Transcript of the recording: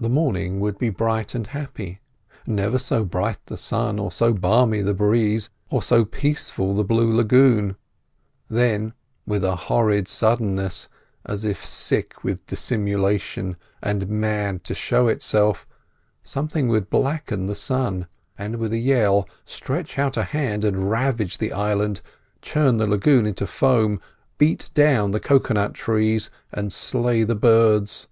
The morning would be bright and happy, never so bright the sun, or so balmy the breeze, or so peaceful the blue lagoon; then, with a horrid suddenness, as if sick with dissimulation and mad to show itself, something would blacken the sun, and with a yell stretch out a hand and ravage the island, churn the lagoon into foam, beat down the cocoa nut trees, and slay the birds.